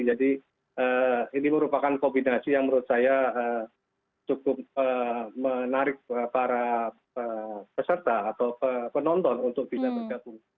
jadi ini merupakan kombinasi yang menurut saya cukup menarik para peserta atau penonton untuk bisa bergabung